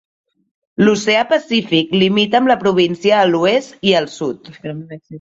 L'oceà Pacífic limita amb la província a l'oest i al sud.